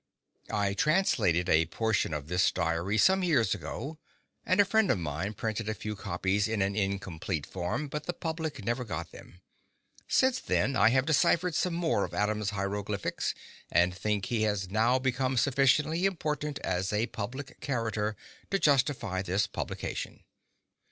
—I translated a portion of this diary some years ago, and a friend of mine printed a few copies in an incomplete form, but the public never got them. Since then I have deciphered some more of Adam's hieroglyphics, and think he has now become sufficiently important as a public character to justify this publication.